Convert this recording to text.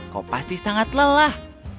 kau pasti sangat lelah